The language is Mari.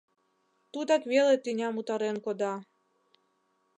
Тудак веле тӱням утарен кода...